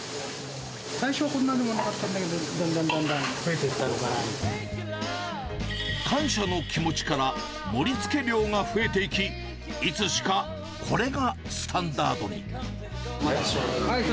最初はこんな盛らなかったんだけど、だんだんだんだん増えていっ感謝の気持ちから盛りつけ量が増えていき、いつしかこれがスタンダードに。